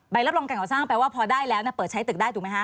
รับรองการก่อสร้างแปลว่าพอได้แล้วเปิดใช้ตึกได้ถูกไหมคะ